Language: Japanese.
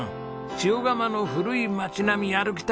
塩竈の古い街並み歩きたいな！